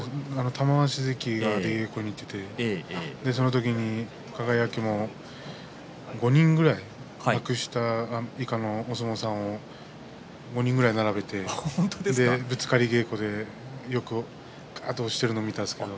玉鷲関がよく出ていてその時に輝も５人ぐらい幕下以下のお相撲さんを５人ぐらい並べてぶつかり稽古でよくしているのを見ました。